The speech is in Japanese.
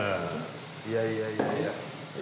いやいやいやいや。